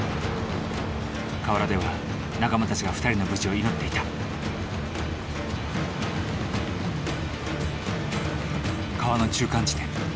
川原では仲間たちが２人の無事を祈っていた川の中間地点。